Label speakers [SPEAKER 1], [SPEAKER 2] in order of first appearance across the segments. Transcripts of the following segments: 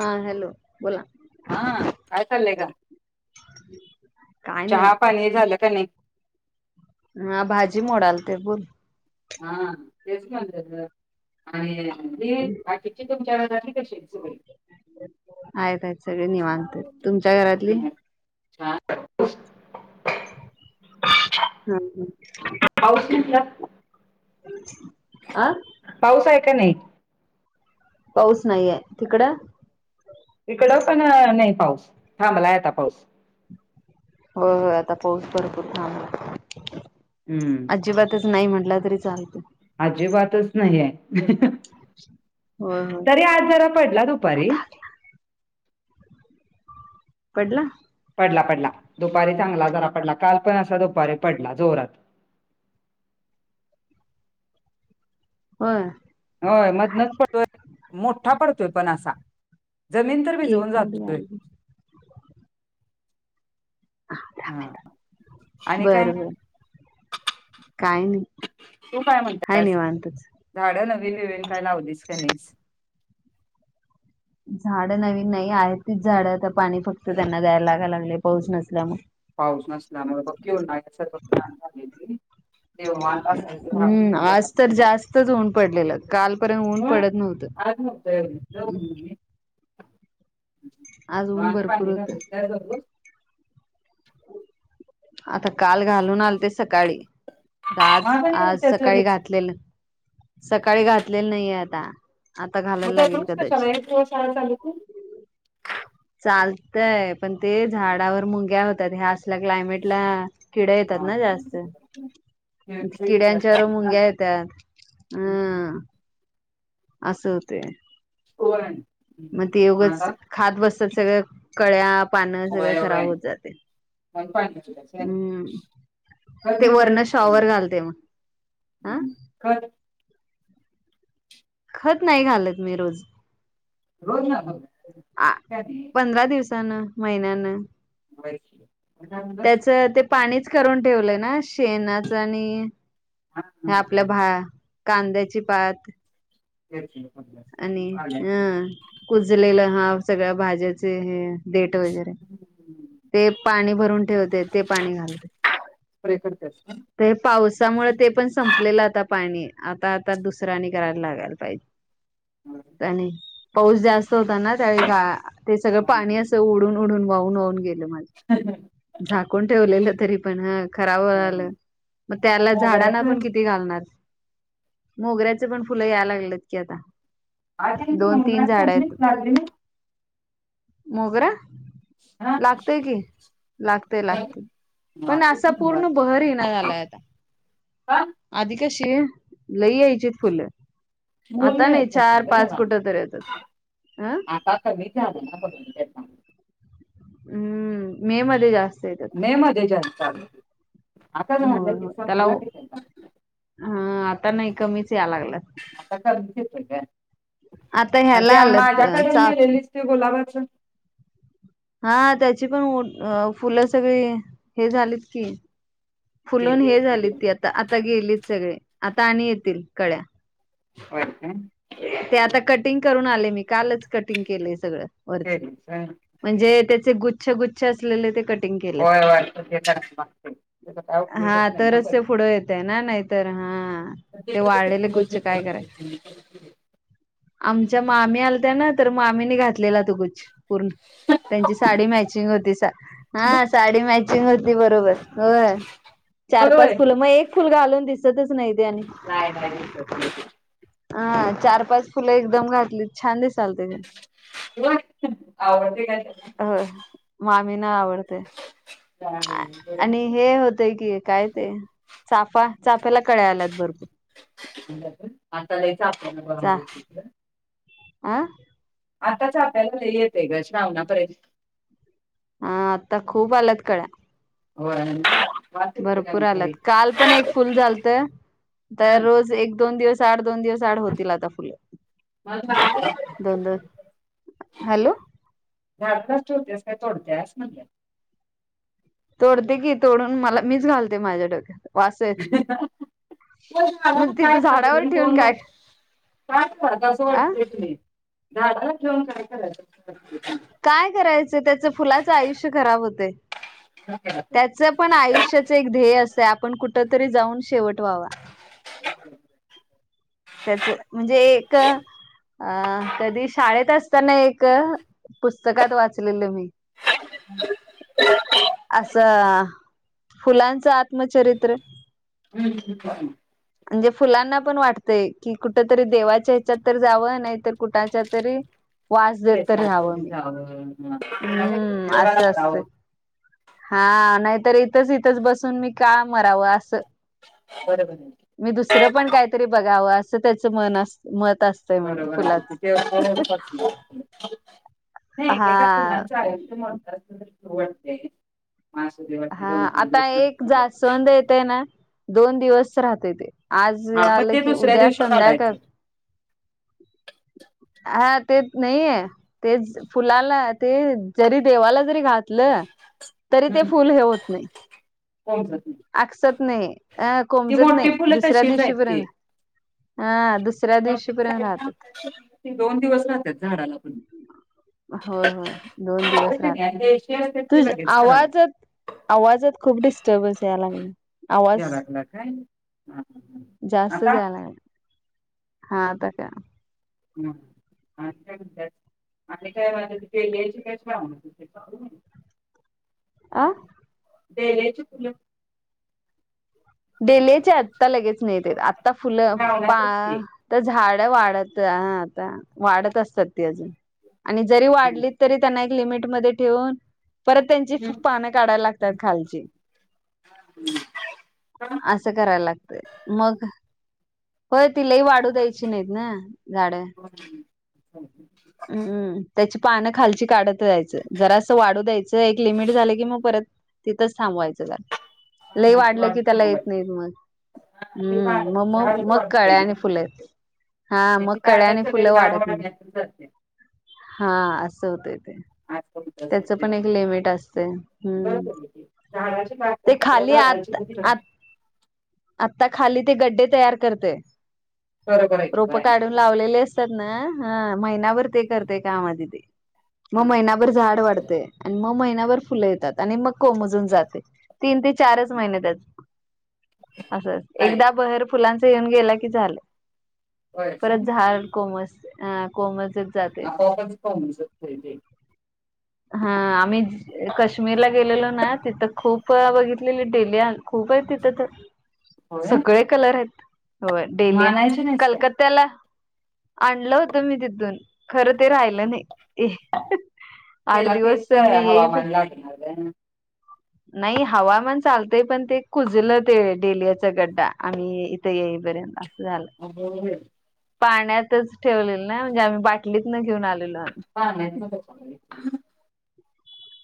[SPEAKER 1] हा हॅलो, बोला.
[SPEAKER 2] हां. काय चाललंय गं?
[SPEAKER 1] काय नाही
[SPEAKER 2] चहा पाणी झालं का नाही?
[SPEAKER 1] हा भाजी मोडालते, बोल.
[SPEAKER 2] हां. तेच म्हणलं गं. अन देठ भाजी ची तुमच्याक झाली का शेक सगळी?
[SPEAKER 1] आहेत आहेत सगळे निवांत. तुमच्या घरातली?
[SPEAKER 2] हं, [unintelligible]
[SPEAKER 1] हां हां.
[SPEAKER 2] पाऊस यील का?
[SPEAKER 1] आं?
[SPEAKER 2] पाऊस आहे का नाही?
[SPEAKER 1] पाऊस नाहीये. तिकडं?
[SPEAKER 2] इकडं पण नाही पाऊस. थांबलाय आता पाऊस.
[SPEAKER 1] होय होय आता पाऊस भरपूर थांबला.
[SPEAKER 2] हं.
[SPEAKER 1] अजिबातच नाही म्हटलं तरी चालते.
[SPEAKER 2] अजिबातच नाही आहे.
[SPEAKER 1] होय होय
[SPEAKER 2] तरी आज जरा पडला दुपारी.
[SPEAKER 1] पडला?
[SPEAKER 2] पडला पडला. दुपारी चांगला जरा पडला. काल पण असा दुपारी पडला जोरात.
[SPEAKER 1] होय?
[SPEAKER 2] होय मधनच पडतोय. मोठा पडतोय पण असा. जमीन तर भीजऊन
[SPEAKER 1] केक मध्ये गार
[SPEAKER 2] जातोय. हा आणि
[SPEAKER 1] बर
[SPEAKER 2] काय
[SPEAKER 1] बर. काय नही.
[SPEAKER 2] तू काय म्हणतेस? झाड नवीन बीवीन काय लावलीस का नहीस?
[SPEAKER 1] झाड नवीन नाही आहे तीच झाड आता पाणी फक्त त्यांना द्यायला लागा लागले पाऊस नसल्यामुळे.
[SPEAKER 2] पाऊस नसल्यामुळे बघकी उन्हाळ्यासारखं रान झालं नही.
[SPEAKER 1] हं, आज तर
[SPEAKER 2] घराकडे
[SPEAKER 1] जास्तच ऊन पडलेलं. कालपर्यंत ऊन पडत नव्हतं.
[SPEAKER 2] [unintelligible] म
[SPEAKER 1] आज ऊन
[SPEAKER 2] आणखी
[SPEAKER 1] भरपूर
[SPEAKER 2] भांडे
[SPEAKER 1] होतं
[SPEAKER 2] घासून काय करतेस?
[SPEAKER 1] आता काल घालून आलेते सकाळी. आता आज
[SPEAKER 2] महाग आणि
[SPEAKER 1] आज
[SPEAKER 2] उठत्यास
[SPEAKER 1] सकाळी
[SPEAKER 2] लगेच
[SPEAKER 1] घातलेल, सकाळी घातलेल नाहीे आता. आता घालायला लागेल कदाचित.
[SPEAKER 2] हो शाळा चालूय की.
[SPEAKER 1] चालतय. पण ते झाडावर मुंग्या होतात ह्या असल्या क्लायमेटला. किड येतात
[SPEAKER 2] हा
[SPEAKER 1] ना जास्त. किड्यांच्या बरोबर
[SPEAKER 2] हा.
[SPEAKER 1] मुंग्या येतात. अं. असं होतय.
[SPEAKER 2] [unintelligible]
[SPEAKER 1] मग ते उगंच
[SPEAKER 2] आता
[SPEAKER 1] खात बसतात सगळं, कळ्या, पानं सगळं
[SPEAKER 2] होय
[SPEAKER 1] खराब
[SPEAKER 2] होय
[SPEAKER 1] होत जाते.
[SPEAKER 2] म्हणून पाणी घालत्यास व्हय
[SPEAKER 1] हं.
[SPEAKER 2] खत
[SPEAKER 1] ते
[SPEAKER 2] बीत
[SPEAKER 1] वरन
[SPEAKER 2] घालतीस का नाहीस?
[SPEAKER 1] शॉवर घालते मग. अं?
[SPEAKER 2] खत?
[SPEAKER 1] खत नाही घालत मी रोज.
[SPEAKER 2] रोज नही घालत ते.
[SPEAKER 1] आ पंधरा दिवसान, महिन्यानं.
[SPEAKER 2] होय की मग काय म्हणलास
[SPEAKER 1] त्याच ते पाणीच करून ठेवलंय ना शेणाच आणि
[SPEAKER 2] हा
[SPEAKER 1] ह आपल्या भा
[SPEAKER 2] तेच
[SPEAKER 1] कांद्याची पात.
[SPEAKER 2] [unintelligible]
[SPEAKER 1] आणि ह
[SPEAKER 2] आल्याचं.
[SPEAKER 1] कुजलेलं हां सगळ्या भाज्याचे हे. देट वगैरे ते पाणी भरून ठेवते ते पाणी घालते.
[SPEAKER 2] प्रे करतेस.
[SPEAKER 1] ते पावसामुळे ते पण संपलेलं आता पाणी आता आता दुसऱ्यानी करायला लागायला पाहिजे. नाही पाऊस जास्त होता ना त्यावेळी ते सगळं पाणी अस उडून म्हणून वाहून वाहून गेले माझे.
[SPEAKER 2] हा हा
[SPEAKER 1] झाकून ठेवलेलं तरी पण हं खराब [unintelligible] मग त्याला झाडांना
[SPEAKER 2] मोगऱ्याच
[SPEAKER 1] पण किती. घालणार. मोगऱ्याचे पण फुलं याय लागलेत की आता. दोन तीन झाड आहेत
[SPEAKER 2] [unintelligible]
[SPEAKER 1] मोगरा
[SPEAKER 2] हा
[SPEAKER 1] लागतय की लागतय लागतय. पण असा पूर्ण बहर येईना झालाय आता.
[SPEAKER 2] हां
[SPEAKER 1] आधी कशे लई यायची फुलं.
[SPEAKER 2] बोल
[SPEAKER 1] आता
[SPEAKER 2] ना.
[SPEAKER 1] नाही चार पाच कुठं तरी येतात हं.
[SPEAKER 2] काका [unintelligible]
[SPEAKER 1] हम्म मे मध्ये जास्त. येतात
[SPEAKER 2] मे मध्ये जास्त आता
[SPEAKER 1] होय
[SPEAKER 2] झालं कि
[SPEAKER 1] होय त्याला
[SPEAKER 2] संपला की त्यां [unintelligible]
[SPEAKER 1] हा आता नाही कमीच यालागलं.
[SPEAKER 2] आता [unintelligible]
[SPEAKER 1] आता
[SPEAKER 2] आणि
[SPEAKER 1] ह्याला
[SPEAKER 2] त्या
[SPEAKER 1] आलं
[SPEAKER 2] माझ्याकडून
[SPEAKER 1] चाफ
[SPEAKER 2] नेलेलीच ते गुलाबाचं.
[SPEAKER 1] हा त्याची पण फुलं सगळी हे झालीत की. फुलून
[SPEAKER 2] गेली
[SPEAKER 1] हे
[SPEAKER 2] असतील
[SPEAKER 1] झाली
[SPEAKER 2] येऊन.
[SPEAKER 1] ती आता आता गेलीत सगळे आता आणि येतील कळ्या.
[SPEAKER 2] होय काय
[SPEAKER 1] ते आता कटिंग करून आले मी. कालच कटिंग केलंय सगळं वरच.
[SPEAKER 2] केलीस होय.
[SPEAKER 1] म्हणजे त्याचे गुच्छ गुच्छ असलेले ते क
[SPEAKER 2] होय होय [unintelligible] त्याचा काय उपयोगच
[SPEAKER 1] हा
[SPEAKER 2] नाही ना
[SPEAKER 1] तरच
[SPEAKER 2] [unintelligible]
[SPEAKER 1] ते पुढं येतय ना नाहीतर हा ते वाळलेले कुच्छ काय करायचे.
[SPEAKER 2] ठीक आहे.
[SPEAKER 1] आमच्या मामी आलत्या ना तर मामीने घातलेला तो गुच्छ. पूर्ण त्यांची साडी मॅचिंग होती हा साडी मॅचिंग होती बरोबर. होय चार
[SPEAKER 2] अगं होय
[SPEAKER 1] पाच फुलं मग एक फुल घालून दिसतच नाही ते आणि
[SPEAKER 2] नाय नाय दिसत [unintelligible]
[SPEAKER 1] हा चार पाच फुलं एकदम घातली छान दिसालत ते.
[SPEAKER 2] हो आवडते काय त्याला.
[SPEAKER 1] होय मामीना आवडते
[SPEAKER 2] हा
[SPEAKER 1] आ आणि
[SPEAKER 2] हां
[SPEAKER 1] हे होतय की काय ते चाफ चाफ्याला कळ्या आल्यात भरपूर.
[SPEAKER 2] आता लय [unintelligible] [unintelligible]
[SPEAKER 1] आं
[SPEAKER 2] आताच चाफ्याला लय येतेय ग श्रावणापर्यंत.
[SPEAKER 1] हा आता खूप आल्यात कळ्या.
[SPEAKER 2] हो
[SPEAKER 1] भरपूर आलात काल पण एक फुल आलत तर
[SPEAKER 2] हं
[SPEAKER 1] रोज एक दोन दिवस आठ दोन दिवस. [unintelligible] होतील आता फु
[SPEAKER 2] मग
[SPEAKER 1] दोन दोन हॅलो
[SPEAKER 2] भारतात थोडक्याच्या थोडक्यात
[SPEAKER 1] तोडते की तोडून मला मीच घालते माझ्या डोक्यात. वासं येत
[SPEAKER 2] आला
[SPEAKER 1] मग
[SPEAKER 2] काय
[SPEAKER 1] तिथं
[SPEAKER 2] करता बघ
[SPEAKER 1] झाडावर ठेवून
[SPEAKER 2] फोन ब
[SPEAKER 1] काय
[SPEAKER 2] काय क तसं
[SPEAKER 1] अ
[SPEAKER 2] वाटतंय की झाडालाच ठेवून काय करायच.
[SPEAKER 1] काय करायचं त्याच फुलाचं आयुष्य खराब होतय.
[SPEAKER 2] ह [unintelligible]
[SPEAKER 1] त्याच पण आयुष्याच एक ध्येय असते आपण कुठ तरी जाऊन शेवट व्हावा.
[SPEAKER 2] ह [unintelligible]
[SPEAKER 1] त्याच म्हणजे एक अ कधी शाळेत अस त्यांना एक पुस्तकात वाचलेल मी.
[SPEAKER 2] [unintelligible]
[SPEAKER 1] असं फुलांच आत्मचरित्र‌.
[SPEAKER 2] हम्म.
[SPEAKER 1] म्हणजे फुलांना पण वाटतंय की कुठ तरी देवाच्या ह्याच्यात तर जावं नाही तर कुठच्या तरी वास देत तरी
[SPEAKER 2] केसातरी
[SPEAKER 1] राहावं
[SPEAKER 2] जावं कोणाच्यातरी
[SPEAKER 1] हम्म
[SPEAKER 2] उपयोगाला
[SPEAKER 1] असं असते.
[SPEAKER 2] पडावं
[SPEAKER 1] हा नाहीतर इथंच, इथंच बसून मी का मराव असं.
[SPEAKER 2] बर बर.
[SPEAKER 1] मी दुसरं पण काहीतरी बघावं असं त्याच मन अस मत असते.
[SPEAKER 2] बरोबर आहे [unintelligible] तिथे नाहीेका एक,
[SPEAKER 1] हा
[SPEAKER 2] एका फुलांचं आयुष्य [unintelligible] होतं अस वाटते. असु दे
[SPEAKER 1] हा आता एक जास्वंद येते ना दोन दिवस राहतय ते. आज
[SPEAKER 2] हा मग
[SPEAKER 1] आलं
[SPEAKER 2] ते
[SPEAKER 1] की
[SPEAKER 2] दुसऱ्या
[SPEAKER 1] उद्या
[SPEAKER 2] दिवशी
[SPEAKER 1] संध्याकाळ
[SPEAKER 2] काढायचं
[SPEAKER 1] हा ते नाहीये. तेच फुलाला ते जरी देवाला जरी घातलं तरी ते
[SPEAKER 2] हम्म
[SPEAKER 1] फुल हे होत नाही
[SPEAKER 2] कोमजत नाही
[SPEAKER 1] आकसत नाही अ
[SPEAKER 2] ती
[SPEAKER 1] कोमजत
[SPEAKER 2] मोठी
[SPEAKER 1] नाही
[SPEAKER 2] फुलं
[SPEAKER 1] दुसऱ्या
[SPEAKER 2] तशीच आहेत ती
[SPEAKER 1] दिवशीपर्यंत हा दुसऱ्या
[SPEAKER 2] मोठी
[SPEAKER 1] दिवशीपर्यंत राहतते.
[SPEAKER 2] साईड दोन दिवस राहतात झाडाला पण.
[SPEAKER 1] होय, होय दोन दिवस राहत
[SPEAKER 2] ते देशी असतात ते
[SPEAKER 1] तुझ
[SPEAKER 2] लगेच खराब
[SPEAKER 1] आवाज आवाजात खूप डिस्टर्बन्स याय लागले
[SPEAKER 2] घ्या
[SPEAKER 1] आवाज
[SPEAKER 2] लागला काय हा हा.
[SPEAKER 1] जास्तच
[SPEAKER 2] आता
[SPEAKER 1] या लागला. हा आता का?
[SPEAKER 2] हम्म आज काल आणि काय म्हणे तिथे यायचे काय म्ह
[SPEAKER 1] आं..
[SPEAKER 2] ते यायचे फुलं
[SPEAKER 1] डेलीचे आत्ता लगेच नाही ते आत्ता फुलं पा
[SPEAKER 2] श्रावणातच की
[SPEAKER 1] तर झाड वाढत आता वाढत असतात ती अजून आणि जरी वाढली तरी त्यांना एक लिमिटमध्ये ठेऊन परत त्यांची पानं काढायला लागतात खालची असं करायला लागतंय मग. होय तिलई वाढू द्यायची नाहीत ना झाड.
[SPEAKER 2] हम्म.
[SPEAKER 1] त्याची पानं खालची काढत जायचं जरा असं वाढू द्यायचं एक लिमिट झालं की मग परत तिथंच थांबवायचं त्याला लय
[SPEAKER 2] पानाची
[SPEAKER 1] वाढलं
[SPEAKER 2] वाढ
[SPEAKER 1] की त्याला येत
[SPEAKER 2] थांबवायची
[SPEAKER 1] नाहीत मग.
[SPEAKER 2] हा ते पा
[SPEAKER 1] हम्म मग, मग,
[SPEAKER 2] झाडच
[SPEAKER 1] मग
[SPEAKER 2] वाढतय
[SPEAKER 1] काळ्या
[SPEAKER 2] ग
[SPEAKER 1] आणि फुले येतील. हा मग कळ्या आणि फुलं वाढतील.
[SPEAKER 2] दे [unintelligible]
[SPEAKER 1] हा असं होतय ते.
[SPEAKER 2] आजपर्यंत
[SPEAKER 1] त्याच पण
[SPEAKER 2] सध्याची
[SPEAKER 1] एक लिमिट असते हम्म.
[SPEAKER 2] बरोबर आहे की झाडाची ताकद
[SPEAKER 1] ते
[SPEAKER 2] तिकडं
[SPEAKER 1] खाली आत
[SPEAKER 2] घालायची तर
[SPEAKER 1] आ
[SPEAKER 2] [inaudible]
[SPEAKER 1] आता खाली ते गड्डे तयार करते
[SPEAKER 2] बरोबर आहे की
[SPEAKER 1] रोप
[SPEAKER 2] बाय
[SPEAKER 1] काढून लावलेले असतात ना ह महिनाभर ते करतय काम आधी ते. मग
[SPEAKER 2] हा
[SPEAKER 1] महिनाभर झाड वाढतय आणि मग महिनाभर फुलं येतात. आणि मग कोमजून जातय तीन ते चारच महिने त्यात असं
[SPEAKER 2] लाईट
[SPEAKER 1] एकदा बहर फुलांच येऊन गेला की झालं.
[SPEAKER 2] होय ना
[SPEAKER 1] परत झाड कोमस अ कोमेजून
[SPEAKER 2] आपोआपच पाह शत ते [unintelligible]
[SPEAKER 1] हा आम्ही काश्मीरला गेलेलो ना तिथं खूप बघितलेली डेलीयान खूप आहे तिथं तर.
[SPEAKER 2] होय
[SPEAKER 1] सगळे कलर आहेत होय डेलीयि
[SPEAKER 2] मानायचे नाहीस काय
[SPEAKER 1] कलक त्याला आणलं होतं मी तिथून खरं ते राहिलं नाही. आठ
[SPEAKER 2] तेला
[SPEAKER 1] दिवस
[SPEAKER 2] तेच
[SPEAKER 1] मी येई
[SPEAKER 2] हवामान लागणार.
[SPEAKER 1] नाही हवामान चालतय पण ते कुजल ते डेलियाचा गड्डा आम्ही ते येईपर्यंत असं झालं.
[SPEAKER 2] हो [unintelligible]
[SPEAKER 1] पाण्यातच ठेवलेलं ना म्हणजे आम्ही बाटलीत न घेऊन आलेलो.
[SPEAKER 2] प नाही [unintelligible]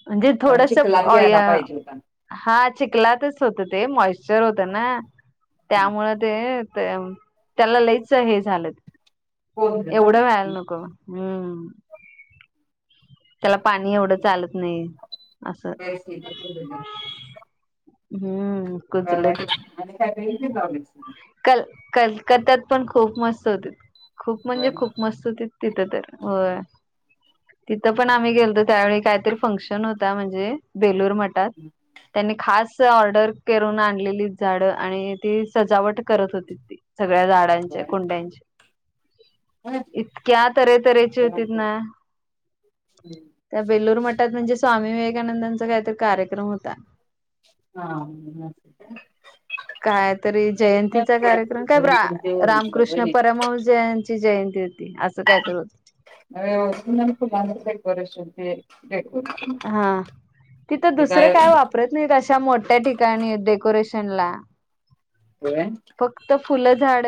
[SPEAKER 1] म्हणजे थोडस
[SPEAKER 2] चिखलात
[SPEAKER 1] आँय
[SPEAKER 2] घ्यायला पाहिजे होता.
[SPEAKER 1] हा चिकलातच होतं ते मॉइशचर होत ना त्यामुळे. ते त्याला लईच हे झालं
[SPEAKER 2] कोंडलं झालं.
[SPEAKER 1] एवढं व्हायला नको. हम्म हम त्याला पाणी एवढं चालत नाही असं.
[SPEAKER 2] तेच ते [unintelligible]
[SPEAKER 1] हम्म.
[SPEAKER 2] ब
[SPEAKER 1] कुजलं ते
[SPEAKER 2] आणि काय बगितल [unintelligible]
[SPEAKER 1] कल कलकत्यात पण खूप मस्त होती खूप म्हणजे
[SPEAKER 2] होय.
[SPEAKER 1] खूप मस्त होतीत. तिथं तर होय. तिथं पण आम्ही गेलतो त्यावेळी काहीतरी फंक्शन होता म्हणजे बेलूर म त्यांनी खास च ऑर्डर करून आणलेली झाड आणि ती सजावट करत होती ती सगळ्या झाड चे
[SPEAKER 2] होय.
[SPEAKER 1] कुंड्यांचे इतक्या तरेतरेची
[SPEAKER 2] हा
[SPEAKER 1] होतीत ना त्या बेल्लुर मठात म्हणजे स्वामी विवेकानंदांचा काहीत कार्यक्रम होता.
[SPEAKER 2] हा
[SPEAKER 1] कायतरी जयंतीचा कार्यक्रम काय रा
[SPEAKER 2] डेकोरेशन ते ओरिजनल होय
[SPEAKER 1] रामकृष्ण
[SPEAKER 2] नी.
[SPEAKER 1] परम भाऊ जयंती ची जयंती होती असं काय तर होत.
[SPEAKER 2] अ त नन फुलर ब वर असते [unintelligible] हे काय?
[SPEAKER 1] प्रत्येक अशा मोठ्या ठिकाणी डेकोरेशन ला
[SPEAKER 2] हो [unintelligible]
[SPEAKER 1] फक्त फुलं झाड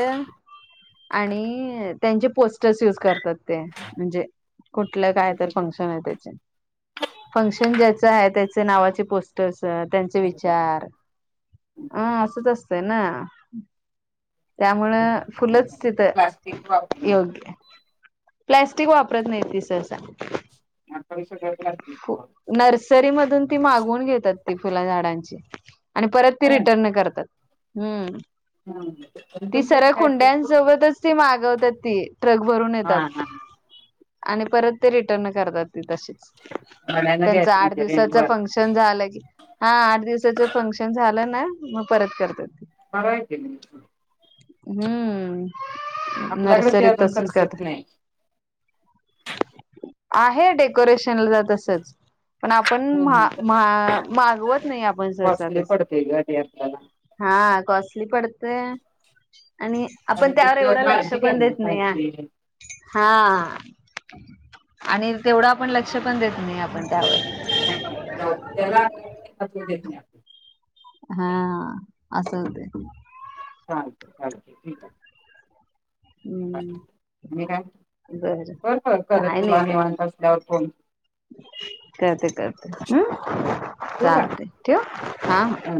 [SPEAKER 1] आणि त्यांचे पोस्टर्स यूज करतात ते म्हणजे कुठलं काय तर
[SPEAKER 2] कशाचे
[SPEAKER 1] फंक्शन आहे त्याचे. फंक्शन ज्याचं आहे त्याचे नावाचे पोस्टर्स त्यांचे विचार. ह असंच असतंय ना. त्यामुळं फुलच तिथं
[SPEAKER 2] प्लास्टिक वापरणे
[SPEAKER 1] योग्य. प्लॅस्टिक वापरत नाही ति सहसा.
[SPEAKER 2] आठविसच्या काळातील वाटतय [unintelligible]
[SPEAKER 1] नर्सरी मधून ती मागवून घेतात ती फुलं झाडांची. आणि परत ती रिटर्न करतात हम्म ती सऱ्या कुंड्यांसोबतच ती मागवतात ती ट्रक भरून
[SPEAKER 2] हा
[SPEAKER 1] येतात
[SPEAKER 2] हा
[SPEAKER 1] आणि परत ते रिटर्न करतात तच
[SPEAKER 2] भाड्यानं
[SPEAKER 1] त्यां
[SPEAKER 2] घ्यायचं
[SPEAKER 1] आठ
[SPEAKER 2] म्हणजे
[SPEAKER 1] दिवसा
[SPEAKER 2] रेंटवर
[SPEAKER 1] फशन झालं की हा आठ दिवसाच फंक्शन झालं ना मग परत करतात
[SPEAKER 2] हरायेत
[SPEAKER 1] हम्म
[SPEAKER 2] आपल्याकडे ते
[SPEAKER 1] नर्सरी
[SPEAKER 2] अजून
[SPEAKER 1] तसच काात
[SPEAKER 2] कन्सेप्ट नाही.
[SPEAKER 1] आहे डेकोरेशनला तसच पण आपण मागवत नाही आपण सरसा
[SPEAKER 2] कॉस्टली
[SPEAKER 1] तस
[SPEAKER 2] पडते ग ते आपल्याला
[SPEAKER 1] हा कॉस्टली पडतेय आणि आपण
[SPEAKER 2] आणि
[SPEAKER 1] त्यावर
[SPEAKER 2] त्याच
[SPEAKER 1] एवढं लक्ष
[SPEAKER 2] काळजी
[SPEAKER 1] पण
[SPEAKER 2] घ्यायला
[SPEAKER 1] देत नाही या
[SPEAKER 2] पाहिजे.
[SPEAKER 1] हा आणि तेवढा आपण लक्ष पण देत नाही आपण त्यावर
[SPEAKER 2] नाही नाही त्यालाचू देत नाही आप
[SPEAKER 1] हा असल ते
[SPEAKER 2] चाँक्यू थँक्यू ठीक आहे अ
[SPEAKER 1] हम्म
[SPEAKER 2] आणि काय बरं बर कर
[SPEAKER 1] काय नाही
[SPEAKER 2] तुला
[SPEAKER 1] काय
[SPEAKER 2] निवांत असल्यावर फोन
[SPEAKER 1] करते करते हम
[SPEAKER 2] ठेवू का?
[SPEAKER 1] चालते ठव हा
[SPEAKER 2] हं.